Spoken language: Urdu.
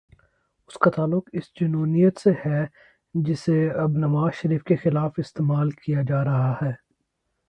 اس کا تعلق اس جنونیت سے ہے، جسے اب نواز شریف کے خلاف استعمال کیا جا رہا ہے۔